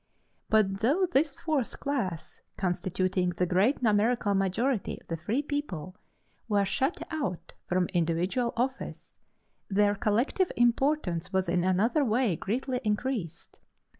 But though this fourth class, constituting the great numerical majority of the free people, were shut out from individual office, their collective importance was in another way greatly increased.